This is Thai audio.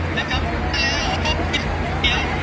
และกับแม่ของพี่